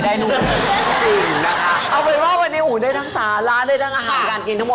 วันนี้ขอบคุณมากนะคะ